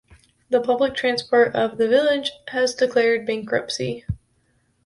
The public transport of the village has declared bankruptcy.